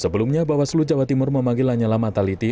sebelumnya bawaslu jawa timur memanggil lanyala mataliti